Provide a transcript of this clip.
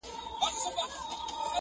څوك به اوښكي تويوي پر مينانو.!